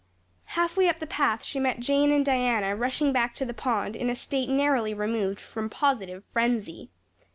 Halfway up the path she met Jane and Diana rushing back to the pond in a state narrowly removed from positive frenzy.